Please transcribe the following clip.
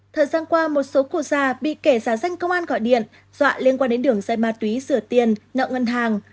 thời gian qua một số cổ gia bị kẻ giả danh công an gọi điện dọa liên quan đến đường xe ma túy sửa tiền nợ ngân hàng